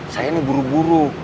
saya ini buru buru